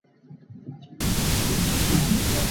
Ramvaih ah tlangval hlei nga an kal.